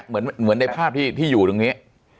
เหมือนในภาพที่อยู่ตรงนี้